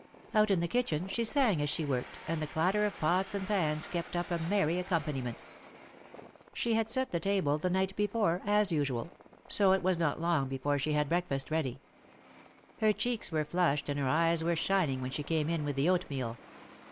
Out in the kitchen, she sang as she worked, and the clatter of pots and pans kept up a merry accompaniment. She had set the table the night before, as usual, so it was not long before she had breakfast ready. Her cheeks were flushed and her eyes were shining when she came in with the oatmeal.